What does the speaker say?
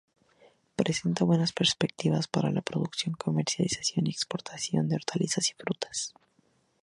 Presenta buenas perspectivas para la producción, comercialización y exportación de hortalizas y frutas.